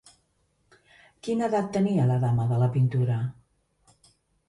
Quina edat tenia la dama de la pintura?